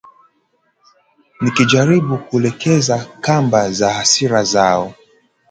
nikijaribu kulegeza kamba za hasira zao